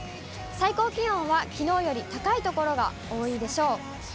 最高気温はきのうより高い所が多いでしょう。